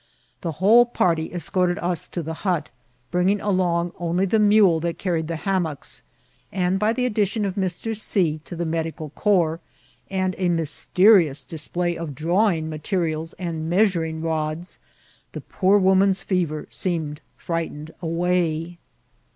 The whole party eacOTted us to tha hut, bringing alcmg only the mule that carried the ham modks ; and by the addition of Mr. C. to the medieal corps, and a mysterions display of drawing materials and measuring rods, the poor woman's fever seemed firightened away.